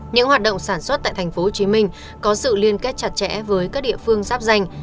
những hoạt động sản xuất tại tp hcm có sự liên kết chặt chẽ với các địa phương giáp danh